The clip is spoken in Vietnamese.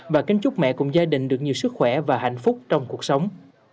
và kính chúc mẹ cùng gia đình được nhiều sức khỏe và hạnh phúc trong cuộc sống